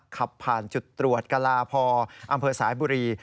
ขับผ่านจุดตรวจกลาพออำเภอสายบุรี